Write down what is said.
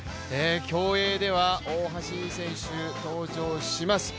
競泳では大橋悠依選手、登場します。